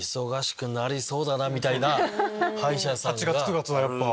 ８月９月はやっぱ。